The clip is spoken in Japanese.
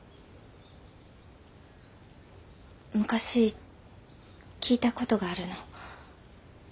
昔聞いた事があるの。